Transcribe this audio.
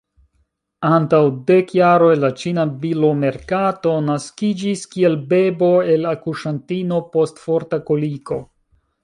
Antaŭ dek jaroj la ĉina bilomerkato naskiĝis kiel bebo el akuŝantino post forta koliko.